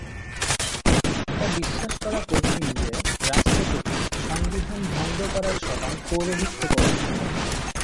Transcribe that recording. এটা বিশ্বাস করা কঠিন যে, রাষ্ট্রপতি সংবিধান ভঙ্গ করার সভায় পৌরোহিত্য করেছেন।